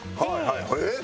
えっ！